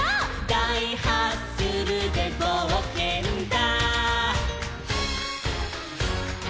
「だいハッスルでぼうけんだ」